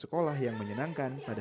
meskipun kita ada pendampingan untuk itu